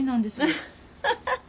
アハハハ。